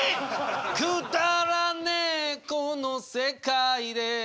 「くだらねこの世界で」